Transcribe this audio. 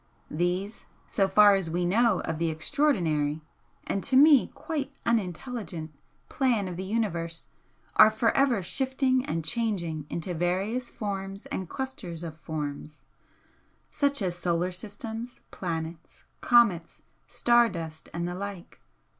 These, so far as we know of the extraordinary (and to me quite unintelligent) plan of the Universe, are for ever shifting and changing into various forms and clusters of forms, such as solar systems, planets, comets, star dust and the like.